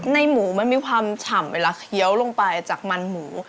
หมูมันมีความฉ่ำเวลาเคี้ยวลงไปจากมันหมู